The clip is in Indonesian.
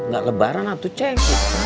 nggak lebaran atu ceng